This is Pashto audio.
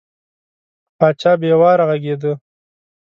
پاچا بې واره غږېده.